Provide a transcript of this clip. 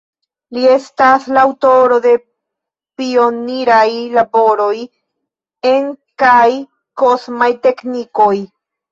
Li estas la aŭtoro de pioniraj laboroj en kaj kosmaj teknikoj.